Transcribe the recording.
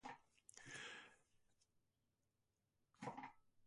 The largest settlements being Ayr, Cumnock, Catrine, Ochiltree, Muirkirk and Sorn.